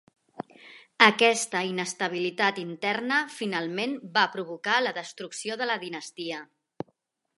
Aquesta inestabilitat interna finalment va provocar la destrucció de la dinastia.